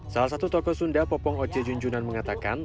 salah satu toko sunda popong ojejunjunan mengatakan